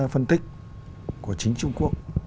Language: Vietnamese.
phân tích của chính trung quốc